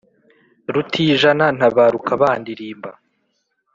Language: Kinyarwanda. Rutijana ntabaruka bandirimba,